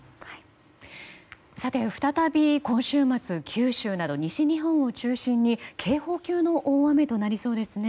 再び今週末九州など西日本を中心に警報級の大雨となりそうですね。